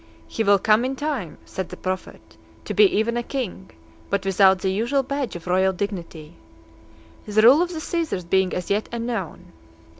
"He will come in time," said the prophet, "to be even a king, but without the usual badge of royal dignity;" the rule of the Caesars being as yet unknown.